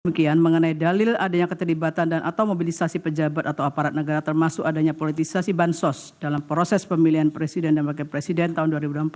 kemungkinan mengenai dalil adanya keterlibatan dan atau mobilisasi pejabat atau aparat negara termasuk adanya politisasi bansos dalam proses pemilihan presiden dan wakil presiden tahun dua ribu dua puluh empat